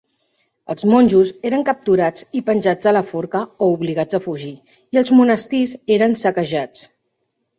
Els monjos eren capturats i penjats a la forca o obligats a fugir, i els monestirs eren saquejats.